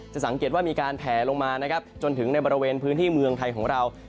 สังเกตว่ามีการแผลลงมานะครับจนถึงในบริเวณพื้นที่เมืองไทยของเรา